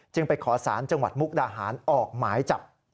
ไปขอสารจังหวัดมุกดาหารออกหมายจับ